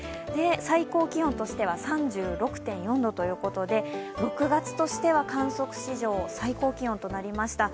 最高気温としては３６．４度ということで６月としては観測史上最高気温となりました。